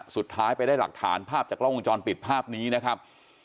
สุดท้ายไปได้หลักฐานภาพจากกล้องวงจรปิดภาพนี้นะครับ